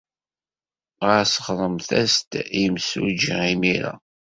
Ɣas ɣremt-as-d i yemsujji imir-a.